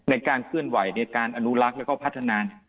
ในการเคลื่อนไหวในการอนุรักษ์แล้วก็พัฒนา